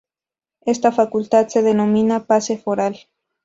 Esta facultad se denominaba pase foral.